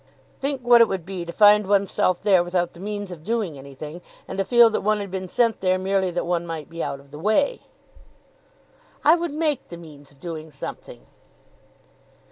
"Think what it would be to find one's self there without the means of doing anything, and to feel that one had been sent there merely that one might be out of the way." "I would make the means of doing something."